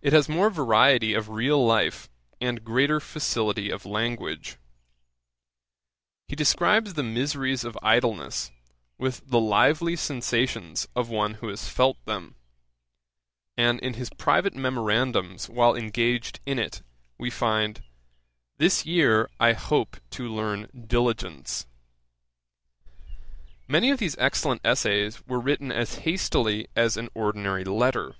It has more variety of real life, and greater facility of language. He describes the miseries of idleness, with the lively sensations of one who has felt them; and in his private memorandums while engaged in it, we find 'This year I hope to learn diligence.' Many of these excellent essays were written as hastily as an ordinary letter.